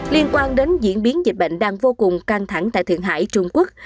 liên quan đến diễn biến dịch bệnh đang vô cùng căng thẳng tại thượng hải trung quốc